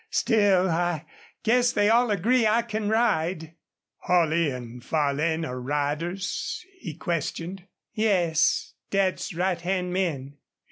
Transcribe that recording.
Still, I guess they all agree I can ride." "Holley an' Farlane are riders?" he questioned. "Yes, Dad's right hand men."